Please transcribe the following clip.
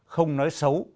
không nói xấu